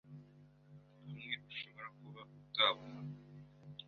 amwe ushobora kuba utabonaho,